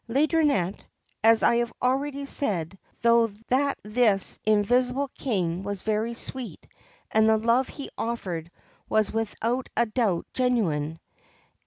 Laideronnette, as I have already said, thought that this invisible King was very sweet, and the love he offered was without a doubt genuine.